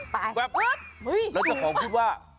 แล้วจะขอคุณพี่ด้านบนข้างนี้สิครับ